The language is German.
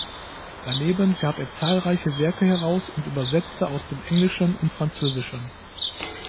Daneben gab er zahlreiche Werke heraus und übersetzte aus dem Englischen und Französischen.